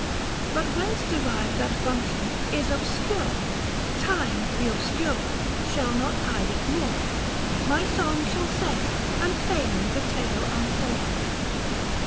But whence derived that function, is obscure ; Time, the obscurer, shall not hide it more, My song shall say, and Fame the tale unfold.